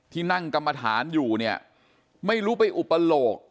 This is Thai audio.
ที่นั่งกรรมฐานอยู่เนี่ยไม่รู้ไปอุปโลก